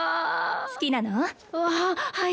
好きなの？ははい。